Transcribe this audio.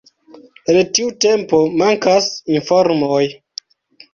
El tiu tempo mankas informoj.